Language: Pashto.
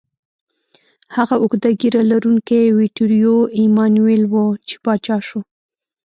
هغه اوږده ږیره لرونکی ویټوریو ایمانویل و، چې پاچا شو.